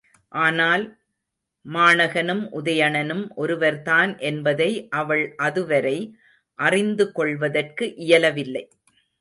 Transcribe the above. ஆனால் மாணகனும் உதயணனும் ஒருவர்தான் என்பதை அவள் அதுவரை அறிந்துகொள்வதற்கு இயலவில்லை.